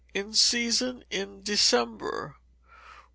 In Season in December.